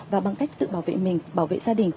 và bằng cách tự bảo vệ mình bảo vệ gia đình